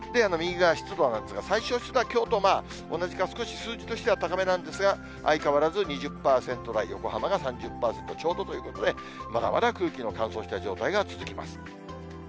右側、湿度なんですが、最小湿度はきょうと同じか、少し数字としては高めなんですが、相変わらず２０％台、横浜が３０％ちょうどということで、まだまだ空気の乾燥した状態が続きます。